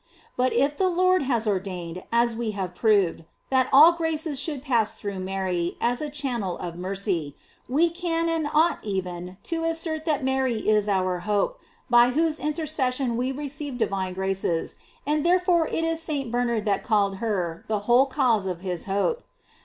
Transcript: But if the Lord has ordained, as we have proved, that all graces shall pass through Mary, as a channel of mercy, we can, and ought even to assert that Mary is our hope, by whose intercession we receive divine graces, and therefore it is St. Bernard called her the whole cause of his hope.